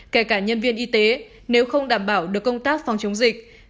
kể cả nhân viên y tế nếu không đảm bảo được công tác phòng chống dịch